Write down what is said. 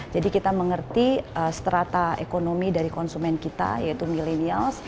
jadi kita mengerti seterata ekonomi dari konsumen kita yaitu milenials